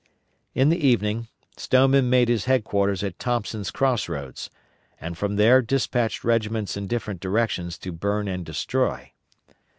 In the evening Stoneman made his headquarters at Thompson's Cross Roads, and from there despatched regiments in different directions to burn and destroy.